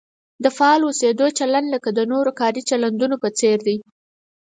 د فعال اوسېدو چلند لکه د نورو کاري چلندونو په څېر دی.